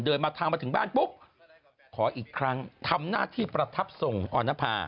เดินทางมาถึงบ้านปุ๊บขออีกครั้งทำหน้าที่ประทับทรงอรณภา